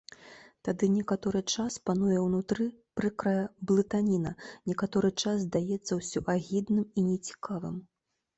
Тады некаторы час пануе ўнутры прыкрая блытаніна, некаторы час здаецца ўсё агідным і нецікавым.